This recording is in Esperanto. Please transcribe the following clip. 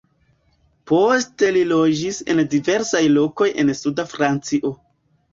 Poste li loĝis en diversaj lokoj en suda Francio.